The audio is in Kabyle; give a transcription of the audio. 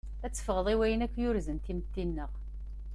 Ad ffɣeḍ i wayen akk yurzen timetti-nneɣ.